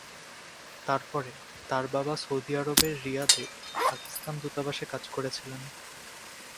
তারপরে, তার বাবা সৌদি আরবের রিয়াদে পাকিস্তান দূতাবাসে কাজ করেছিলেন।